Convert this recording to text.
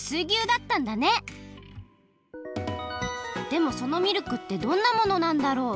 でもそのミルクってどんなものなんだろう？